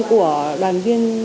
của đoàn viên